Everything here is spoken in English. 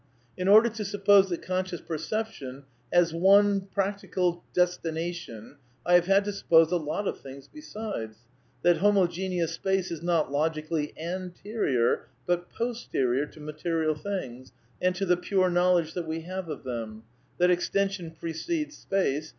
In order to suppose that conscious perception has ^^ une destination toute pratique," I have had to suppose a lot of things besides : that ^^ homogeneous space is not logically anterior but posterior to material things and to the pure knowledge that we have of them; that extension precedes space